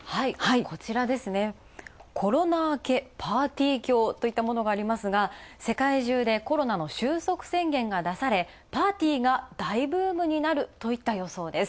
こちらですね、コロナ明け、パーティ狂といったものがありますが世界中でコロナの終息宣言が出され、パーティーが大ブームになるといった予想です。